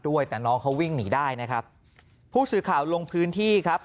ด้วยแต่น้องเขาวิ่งหนีได้นะครับผู้สื่อข่าวลงพื้นที่ครับ